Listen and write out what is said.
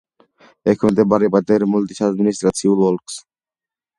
ექვემდებარება დერმოლდის ადმინისტრაციულ ოლქს.